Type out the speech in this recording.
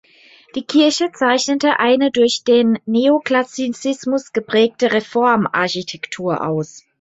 Die Kirche zeichnete eine durch den Neoklassizismus geprägte Reformarchitektur aus.